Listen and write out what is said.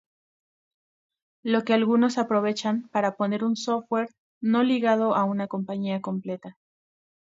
Lo que algunos aprovechan para poner un software no ligado a una compañía concreta.